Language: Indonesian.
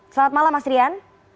selamat malam mas rian